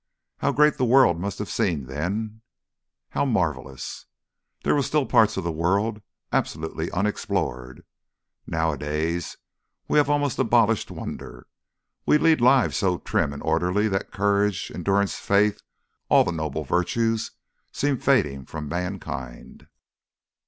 How great the world must have seemed then! How marvellous! They were still parts of the world absolutely unexplored. Nowadays we have almost abolished wonder, we lead lives so trim and orderly that courage, endurance, faith, all the noble virtues seem fading from mankind."